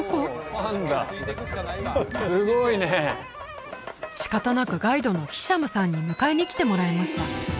パンだすごいね仕方なくガイドのヒシャムさんに迎えに来てもらいました